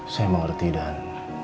saya mengerti dan